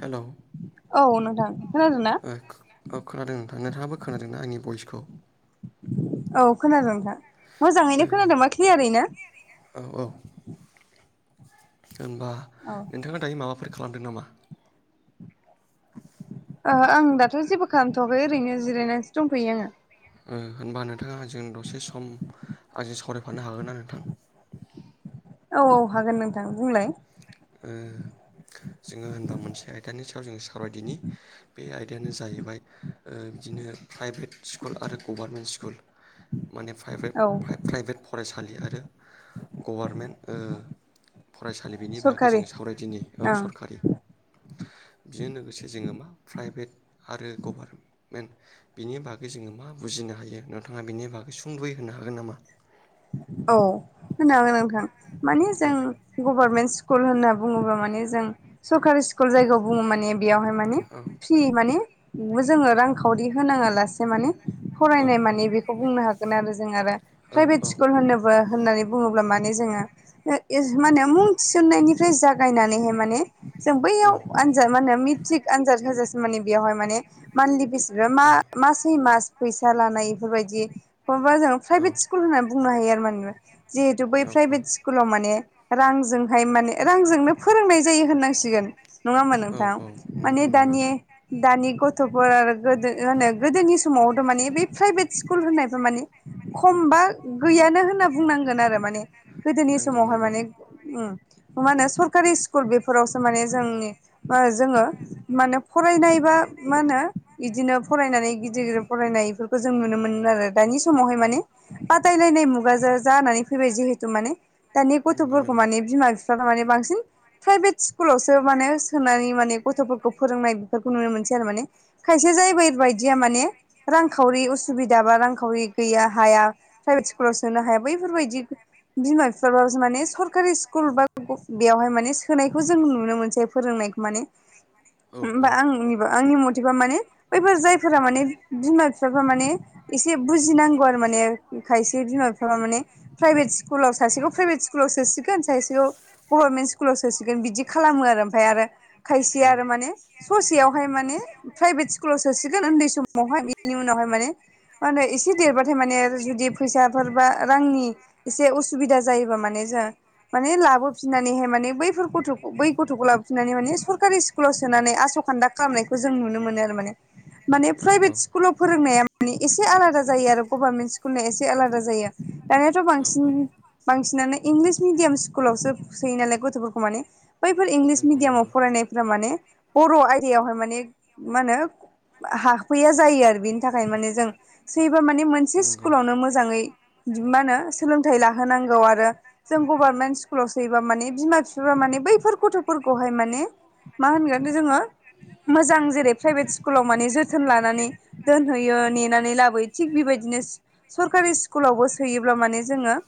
हेल'? [unintelligible] औ नोंथां खोनादों ना औ खोनादों नोंथां नथाङाबो खोनादोंना आंनि भइसखौ? औ खोनादोंथां मोजाङैनो खोनादोंबा क्लियारैनो। औ औ होनबा औ नोंथाङा दायो माबाफोर खालामदों नामा? ओह आं दाथ' जेबो खालामथ'वाखै ओरैनो जिरायनानैसो दंफैयो आङो होनबा नोंथाङा जजों दसे सम आंजों सावरायफानो हागोन ना नोंथां? औ औ हागोन नोंथां बुंलाय। ओ। जोङो होनबा मोनसे आयदानि सायाव जोङो सावरायदिनि बे आयदायानो जाहैबाय बिदिनो प्राइभेट स्कुल आरो गभार्मेन्ट स्कुल माने प्राइभेट औ प्राइभेट फरायसालि आरो गभारमेन्ट फरायसालि बिनि बागै सरखारि जोङो सावरायदिनि औ ओं सरखारि बेजों लोगोसे जोङो मा प्राइभेट आरो गभारमेन्ट बिनि बागै जोङो मा बुजिनो हायो नोंथाङा बेनि बागै सुंद्रयै होनो हागोन नामा? औ होनागोन नोंथां माने औ जों गभारनमेन्ट स्कुल होनना बुङोब्ला माने जों सरकारि स्कुल जायगायाव बुङो माने बेयावहाय माने औ फ्रि माने जोङो रांखावरि होनाङा लासे माने औ फरायनाय मानिे बेखौ बुंनो हागोन आरो जों आरो औ प्राइभेट औ स होनोबो होननानै बुङोब्ला माने जोङो माने मुं थिसन्नायनिफ्राय जागायनानैहाय माने जों बैयाव आनजाद मा होनो मेट्रिक आनजाद होजासि माने बेयावहाय माने मान्थलि बेसिसफ्रा मा मासै मास फैसा लानाय बेफोरबायदि बखबा जों औ औ प्राइभेट स्कुल होननानै बुंनो हायो आरो माने जिहेथु बै प्राइभेट स्कुलाव माने रांजोंहाय माने रांजोंनो फोरोंनाय जायो होननांसिगोन। नङाामोन औ नोंथां औ माने नंगौ नंगौ दानि? दानि गथ'फोर आरो गोदो होनो गोदोनि समावथ' माने बै प्राइभेट स्कुल होननायफ माने खमबा गैयानो होनना बुंनांगोन आरो माने गोदोनि नंगौ समावहाय नंगौ मने मा होनो सरकारि स्कुल बेफोरावसो माने जोंनि जोङो म होने फरायनाय बा मा होनो बिदिनो फरायनानै गिदिर गिदिर फरायनाय खौ जों नुनो मोनो आरो दानि समावहाय माने बादायलायनाय मुगाजों जानानै फैबाय जिहेतु माने दानि नंगौ गथ'फोरखौ नंगौ। माने बिमा बिफा मानि बांसिन प्राइभेट स्कुलावसो माने सोनानै माने गथ'फोरखौ फोरोंनाय बेफोरखौ नुनो मोनसै आरो माने खायसे जायबाय बेबायदिया माने रांखावरि उसुबिदा बा रांखावरि गैया हाया। प्राइभेट स्कुलाव सोनो हाया बैफोरबायदि बिमा बिफााबाबो माने सरकारि स्कुल बा बेयावहाय माने सोनायखौ जों नुनो मोनसै। फोरोंनायखौ माने लांदां हबा आंनिबो आंनि मथेबा माने बैफोर जायफोरा माने बिमा बिफाफ्रा माने एसे बुजिनांगौ आरो माने। खायसे बिमा बिफा माने प्राइभेट स्कुलाव सासेखौ प्राइभेट स्कुलाव सोसिगोन सासेखौ गभारनमेन्ट स्कुलाव सोसिगोन बिदि खालामो आरो ओमफ्राय आरो। खायसे आरो माने ससेयावहाय माने प्राइभेट स्कुलाव सोसिगोन उन्दै समावहाय बिनि उनावहाय माने मा होनो एसे देरबाथाय माने बिदि फैसाफोर बा रांनि एसे उसुबिदा जायोबा माने जों माने लाबोफिननानैहाय माने बैफोर गथ' बै गथ'खौ लाबोफिननानै माने सरकारि स्कुलाव सोनानै आस' खान्दा खालामनायखौ जों नुनो मोनो आरो माने माने औ प्राइभेट स्कुलाव फोरोंनाया माने एसे आलाद जायो गभार्मेन्ट स्कु स्कुला एसे आलादा जायो दानियाथ' औ बांसिन बांसिनानो इंलिस मिडियाम स्कुलावसो सोयो नालाय गथ'फोरखौ माने बैफोर इंलिस मिडियामाव फरायनायफोरा माने बर' आयदायावहाय माने मा होनो हाफैया जायो आरो बेनि थाखायनो माने जों सैबा माने मोनसे स्कुलावनो मोजाङै मा होनो सोलोंथाइ लाहोनांगौ आरो जों गभारनमेन्ट स्कुलाव सोयोबा माने बिमा बिफफा माने बैफोर गथ'फोरखौहाय माने मा होनगोन जोङो मोजां जेरै प्राइभेट स्कुलाव माने जोथोन लानानै दोनहैयो नेनानै लाबोयो थिग बेबायदिनो सरकारि स्कुलावबो सोयोब्ला माने जोङो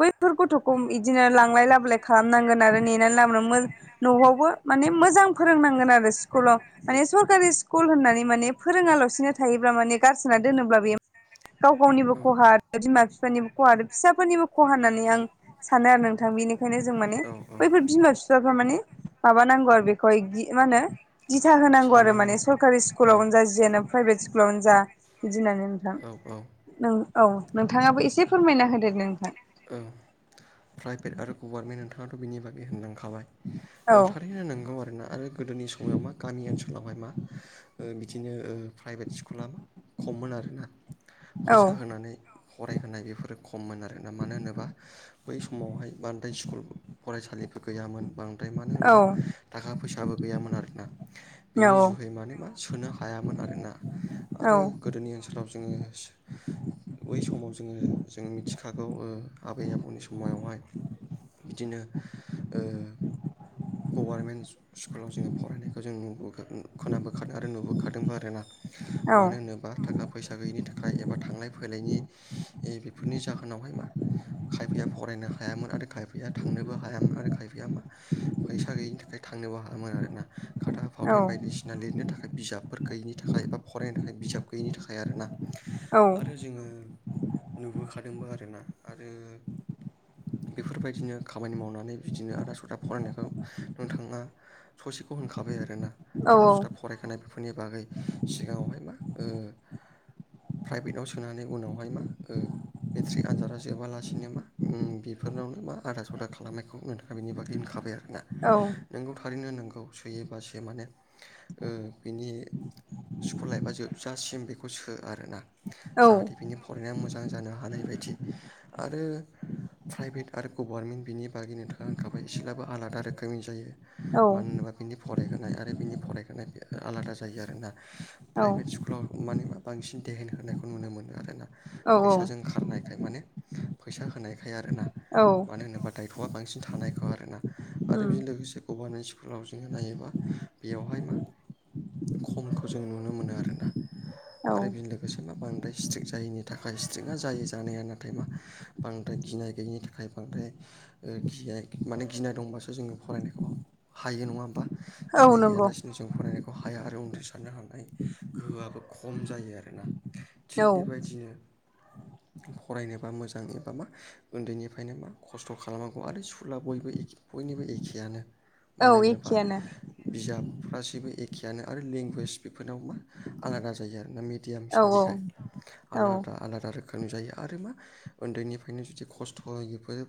बैफोर गथ'खौ बिदिनो लांलाय लाबोलाय खालामनांगोन आरो नेनानै लाबोनानै मोज न'आवबो माने मोजां फोरोंनांगोन आरो स्कुलाव माने सरकारि स्कुल होननानै माने फोरोङालासिनो थायोब्ला माने गारसोना दोनोब्ला बेयो गाव गावनिबो खहा आरो बिमा बिफानिबो खहा आरो फिसाफोरनिबो खहा होननानै आं सानो आरो नोंथां बेनिखायनो जों माने बेनिफ्राय बैफोर बिमा बिफाफ्रा माने माबा नांगौ आरो बेखौहाय मा होनो दिथा होनांगौ आरो साननांगौ माने औ सरकारि स्कुलावनो जा जिनो प्राइभेट स्कुलावनो जा बिदि होननानै नोंथां औ नों औ नोंथाङाबो एसे फोरमायना होदो नोंथां औ प्राइभेट आरो गभारनमेन्ट नोंथाङाथ' बिनि बागै होनलांखाबाय औ थारैनो नंगौ आरोना आरो गोदोनि समाव मा गामि ओनसोलावहाय मा ओ बिदिनो ओ प्राइभेट स्कुला खममोन आरोना फैसा औ होनानै फरायहोनाय बेफोरो खममोन आरोना मानो होनोबा बै समावहाय बांद्राय स्कुल फरायसालिफोर गैयामोन बां नाथाय मानो औ होनबा थाखा फैसाबो गैयामोन आरो ना बिनि जुहै माने मा सोनो हायामोन आरोना औ आरो गोदोनि ओनसो लाव जोङो बै समाव जोङो जों मिथिखागौ आबै आबौ मोनननि समायावहाय बिदिनो ओ गभारनमेन्ट स्कुलाव जोङो फरायनायखौ जों नुबो खोनाबोखादों आरो नुबोखादोंबो आरो ना औ मानो होनोबा थाखा फैसा गैयिनि थाख थाखाय एबा थांलाय फैलायनि बेफोरनि जाहोनावहाय मा खायफाया फरायनो हायामोन आरो खायफाया थांनोबो हायामोन आरो खायफाया मा फैसा गैयिनि थाखाय थांनोबो हायामोन आरोना खाथा औ फावथेन बायदिसिना लिरनो थाखाय बिजाबफोर गैयिनि थाखाय फरायनो थाखाय बिजाब गैयिनि थाखाय आरो ना आरो जोङो नुबोखादोंबो आरोना आरो बेफोरबायदिनो खामानि मावनानै बिदिनो आदा सदा फरायनायखौ नोंथाङा ससेखौ होनखाबाय आरोना आदा सुदा फरायखानाय बेफोरनि बागै सिगाङावहाय मा ओ प्राइभेटाव सोनानै उनावहाय मा ओ मेट्रिक आनजादा जोबालासे नोमा ओ बेफोरनावनो मा आदार सदार खालामनायखौ नोंथाङा बेनि बागै होनखाबाय आरोना नोंगौ थारैनो नोंगौ सोयोबासो माने ओ बिनि स्कुल लाइफा जोबजासिम बेखौ सो आरोना जाहाथे बिनि फरायनाया मोजां जानो हानाय बायदि आरो प्राइभेट आरो गभार्नमेन्ट बिनि बागिनो थाखाय होनांखाबाय एसेब्लाबो आलादा रोखोमनि जायो मानो होनोबा बिनि फरायहोनाय आरो बिनि फरायहोनाय आलादा जायो आरोना प्राइभेट स्कुल कुलाव माने मा बांसिन देहेन होनायखौ नुनो मोनो आर ना फैसाजों खारनायखाय माने फैसा होनायखाय आरोना औ मानो होनोबा दायथ'आ बांसिन थानायखौ आरोना आरो बेजों लोगोसे गभारनमेन्ट स्कुलाव जोंङो नायोबा बेयावहाय मा खमखौ जों नुनो मोनो आरोना औ आरो बेनि लोगोसे मा बांद्राय स्ट्रिक जायिनि थाखाय स्ट्रिकआ जायो जानाया नाथाय मा बांद्राय गिनाय गैयिनि थाखाय बांद्राय गिनाय माने गिनाय दंबासो जोङो फरायनायखौ हायो नंङा होमबा? औ गिनाय नंगौ गैयालासिनो जों फरायनाय खौ हाया आरो उन्द्रि सारनो हानाय गोहोआबो खम जायो आरोना थिग औ बेबायदिनो फरायनो बा मोजां एबा मा उन्दैनिफ्रायनो मा खस्थ' खालामनांगौ आरो स्कुला बयबो एखे बयनिबो एखेयानो औ मानो होनोबा एखेयानो बिजाबफ्रा जेबो एखेयानो आरो लेंगुवेज बेफोरनाव मा आलादा जायो आरोना मे दियाम औ हिसाबैखाय औ आलादा आलादा रोखोमनि जायो आरो मा उन्दैनिफ्रायनो जुदि खस्थ'बो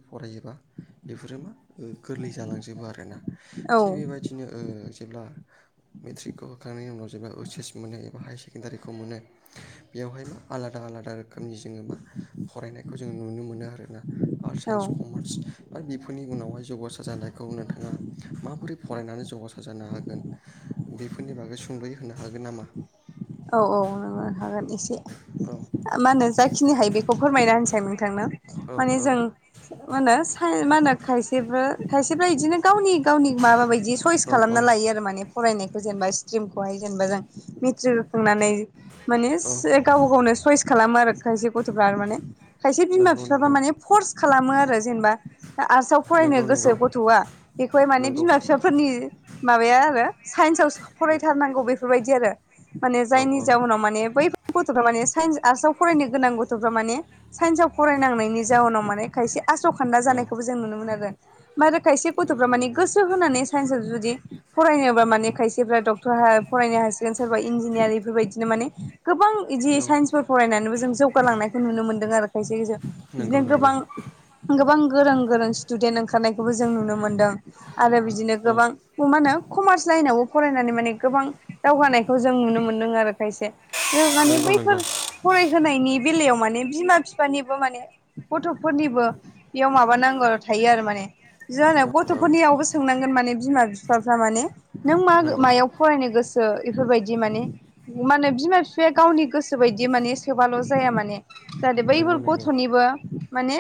फरायोबा बेफोरो मा गोरलै जालांजोबो आरोना थिग औ बेबायदिनो ओ जेब्ला मेट्रिकखौ होखांनायनि उनाव जेब्ला ओइस एस मोनो एबा हायार सेकेण्डारिखौ मोनो बेवहायबो आलादा आलादा रोखोमनि जोंङो मा फरायनायखौ जों नुनो मोनो आरोना आर्ट, औ साइन्स, कमार्स आरो बेफोरनि उनावहाय जौगासार जानायखौ नोंथांङा माबोरै फरायनानै जौगासार जानो हागोन बेफोरनि बागै सुंद'य होनो हागोन नामा? औ औ [unintelligible] हागोन एसे औ मा होनो जाखिनि हायो बेखौ फोरमायना होनसै नोंथांनो औ माने औ जों मा होनो साइ मा होनो खायसेबो खायसेफ्रा इदिनो गावनि गावनि माबा बायदि बिदि सयस औ खालामना औ लायो आरो माने फरायनायखौ जेनेबा स्ट्रिमखौहाय जेनेबा जों मेट्रिक सोंनानै माने औ गावबा गावनो सयस खालामो आरो खायसे गथ'फ्रा माने खायसे बिमा नंगौ बिफाबा नंगौ माने फर्स खालामो आरो जेनेबा आर्टसआव फरायनो नंगौ गोसो नंगौ गथ'आ बेखौहाय माने नंगौ बिमा बिफाफोरनि माबाया आरो साइन्सआवो फरायथारनांगौ बेफोरबायदि आरो माने औ जायनि औ जाउनाव माने बै गथ'फ्रा माने सन्स आर्स आव फरायनो गोनां गथ'फ्रा माने साइन्स आ फरायनांनाय नि जउनाव माने खायसे आस' खान्दा जानायखौबो जों नुनो मोनो आरो मारो खायसे गथ'फ्रा नंगौ माने नंगौ गोसो होनानै साइन्सआव जुदि फरायनोबा माने खायसेफ्रा ड टर फरायनो हासिगोन सोरबा इन्जिनियारिंफोरबायदिनो माने गोबां बिदि औ साइन्स फोर फरायनानैबो जों जौगालांनायखौ नुनो मोन्दों आरो खायसे खायसे बिदिनो नंगौ नंगौ गोबां गोबां गोरों गोरों स्टुदेन्ट ओंखारनायखौबो जों नुनो मोनदों आरो बिदिनो औ गोबां मा होनो कमार्स लाइनावबो फरायनानै माने गोबां दावगानायखौ जों नुनो मोनदों आरो खायसे बे माने नंगौ नंगौ बैफोर फरायहोनायनि बेलायाव माने बिमा बिफानिबो माने गथ'फोरनिबो बेयाव माबा नांगौ थायो आरो माने जाहोनाव औ औ गथ'फोरनियावबो सोंनांगोन माने बिमा बिफाफ्रा माने नों मा नंगौ मायाव फरायनो गोसो बेफोरबायदि माने मा होनो बिमा बिफाया गावनि गोसो बायदि माने सोबाल' जाया माने जाहाथे बैफोर नंगौ नंगौ गथ'निबो माने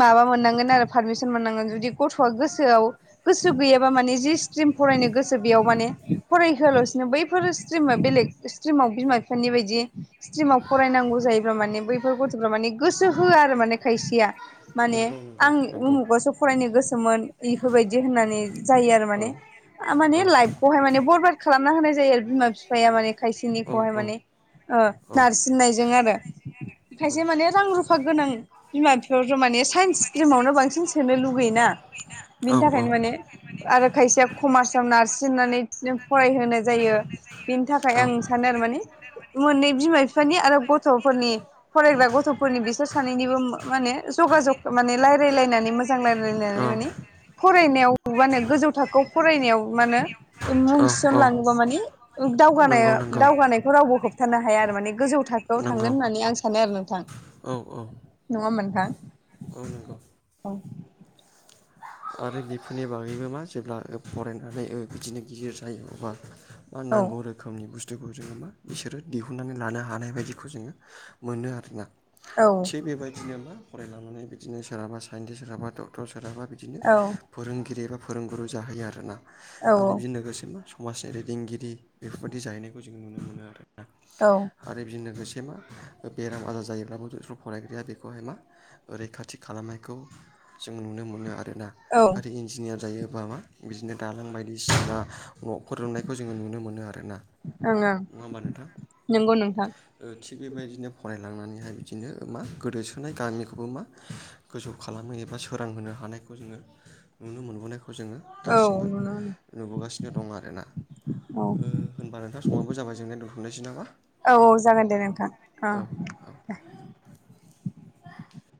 माबा मोननांगोन आरो पारमिसन मोननांगोन जुदि गथ'आ गोसोआव गोसो गैयाबा माने जि स्ट्रिम फरायनो गोसो बेयाव माने फरायहोआलासिनो बै फोर स्ट्रिमा बेलेग स्ट्रिमाव बिमा बिफानि बायदि स्ट्रिमाव फरायनांगौ जायो मान बै गथ' माने गोसो होआ आरो माने खायसेया माने नंगौ आंनि नंगौ नंगौ उमुगावसो फरायनो गोसोमोन बेफोरबायदि होननानै जायो आरो औ माने माने औ लाइफ खौहाय माने बरबाद खालामना होनाय जायो आरो बिमा बिफाया माने औ खायसेनिखौहाय औ माने ओ औ नार्स फननायजों आरो औ खायसे माने रां रुफा गोनां बिमा बिफाथ' माने साइन्स स्ट्रिमावनो बांसिन सोनो लुगैयोना औ औ बिनि आरो थाखायनो माने आरो खायसेया कमार्सआव नारसिननानै फरायहोनाय जायो बेनि थाखाय आं सानो आरो माने मोननै बिमा बिफानि आरो गथ'फोरनि फरायग्रा गथ'फोरनि बिसोर सानैनिबो माने जगाजग माने रायलायलायनानै नानै मानि फरायनायाव मा होन गोजौ थाखोआव फरायनायाव मा होनो मुं गथ'फोरखौ थिसनलाङोबा माने दावगानाय माने दावगानायखौ रावबो होबथानो हाया आरो माने गोजौ थाखोआव थांगोन होननानै आं सानो आरो नोंथां औ औ नङा होनबा नोंथां औ नंगौ औ आरो बेफोरनि बागैबो मा जेब्ला फरायनानै बिदिनो गिदिर जायो अबब्ला मा औ नांगौ रोखोमनि बुस्थुखौ जोङो मा बिसोरो दिहुनन्नानै लानो हानाय बायदिखौ जोङो मोनो आरोना औ थिग बेबायदिनो मा फरायलानानै बिदिनो सोरहाबा साइन्टिस् सोरहाबा डक्टर सोरहाबा बिदिनो औ फोरोंगिरि एबा फोरोंगुरु जाहोयो आरोना औ आरो बेजों लोगोसे मा समाजनि दैदेनगिरि बेफोरबायाददि जाहैनायखौ जों नुनो मोनो आरोोना औ ओं आरो बिदिनो लोगोसे मा बेराम आजार जायोब्लाबो जस्र' फरायग्राया बेखौहाय मा रैखाथि खालामनायखौ जों नुनो मोनो आरोना आरो इन्जिनियार जायोबा मा बिदिनो दालां बायदिसिना न'ख रुनायखौ जोङो नुनो मोनो आरो ना ओं नङा होनबा नोंथां नंगौ नोंथां थिग बेबायदिनो फरायलांनानैहाय बिदिनो मा गोदोसोनाय गामिखौबो मा गोजौ खालामो एबा सोरांहोनो हानायखौ जोङो नुनो मोनबोनायखौ जोङो औ दासिमबो नुनो नुबोगासिनो दं आरोना मोनो ओ होनबा नोंथां समाबो जाबाय जोंनाय दोनथुमनायसै नामा औ औ जागोन दे नोंथां औ औ